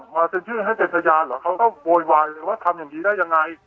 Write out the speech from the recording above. เซ็นชื่อให้จักรยานเหรอเขาก็โวยวายเลยว่าทำอย่างนี้ได้ยังไง